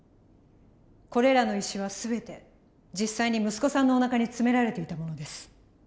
これらの石は全て実際に息子さんのおなかに詰められていたものです。